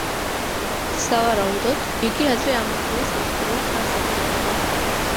სავარაუდოდ, იგი ადრე ამ ადგილას მოწყობილ კარს ეკუთვნოდა.